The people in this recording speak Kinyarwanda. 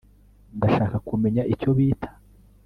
ndashaka kumenya icyo bita